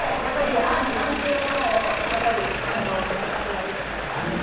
安心なものをやった方がいいと思います。